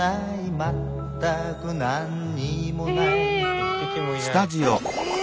一匹もいない。